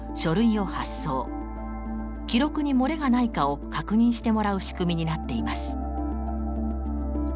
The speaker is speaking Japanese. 記録にもれがないかを確認してもらう仕組みになっています。